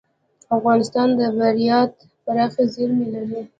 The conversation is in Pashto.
افغانستان د بیرایت پراخې زیرمې لري.